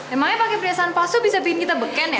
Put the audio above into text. emangnya pake prihasaan palsu bisa bikin kita beken ya